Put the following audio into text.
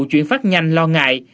chuyển phát nhanh lo ngại